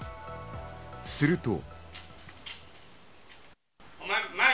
すると。